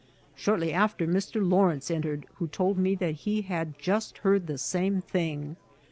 Shortly after Mr. Lawrence entered, who told me that he had just heard the same thing.